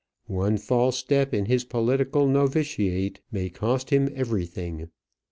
One false step in his political novitiate may cost him everything.